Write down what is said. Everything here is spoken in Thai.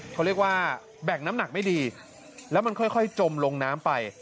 เขาเรียกว่าแบ่งน้ำหนักไม่ดีแล้วมันค่อยจมลงน้ำไป